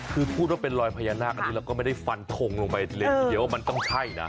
คือพูดว่าเป็นรอยพญานาคอันนี้เราก็ไม่ได้ฟันทงลงไปเลยทีเดียวว่ามันต้องใช่นะ